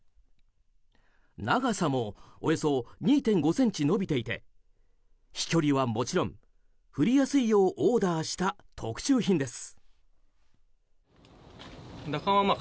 長さもおよそ２．５ｃｍ伸びていて飛距離はもちろん振りやすいようオーダーした特注品です。